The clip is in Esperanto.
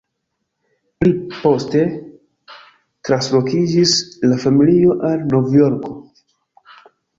Pli poste translokiĝis la familio al Novjorko.